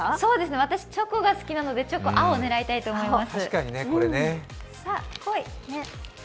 私、チョコ味が好きなので青、狙いたいと思います。